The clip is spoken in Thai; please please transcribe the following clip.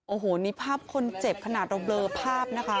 โอ้โหนี่ภาพคนเจ็บขนาดเราเบลอภาพนะคะ